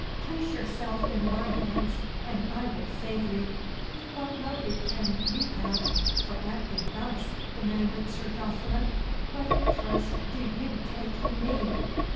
Place yourself in my hands, and I will save you." "What motive can you have for acting thus?" demanded Sir Jocelyn. "What interest do you take in me?"